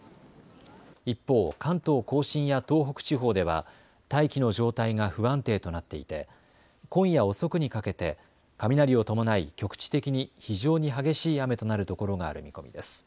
一方、関東甲信や東北地方では大気の状態が不安定となっていて今夜遅くにかけて雷を伴い局地的に非常に激しい雨となるところがある見込みです。